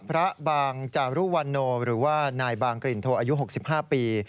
พระบางจารุวันโนหรือว่านายบางกลิ่นโทอายุ๖๕ปี